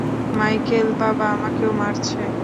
Michael, বাবা আমাকেও মারছে।